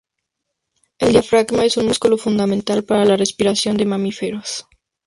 El diafragma es un músculo fundamental para la respiración de los mamíferos.